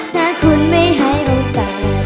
ถ้าคุณไม่ให้โอกาส